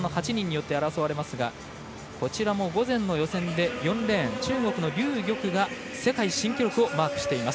８人によって争われますがこちらも午前の予選で４レーン中国の劉玉が世界新記録をマークしています。